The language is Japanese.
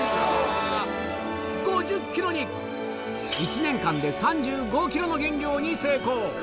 １年間で３５ｋｇの減量に成功！